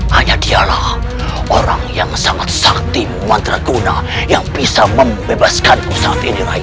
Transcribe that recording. hanya dialah orang yang sangat sakti mantra guna yang bisa membebaskan usaha dirai